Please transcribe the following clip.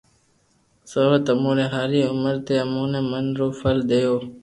سآوا تموري ھاري عمر تمو اوني من رو فل ديو